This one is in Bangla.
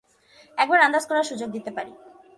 একবার আন্দাজ করার সুযোগ দিতে পারি।